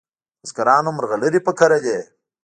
بزګرانو مرغلري په کرلې